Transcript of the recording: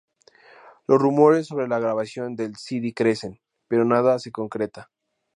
Los rumores sobre la grabación del cd crecen, pero nada se concreta.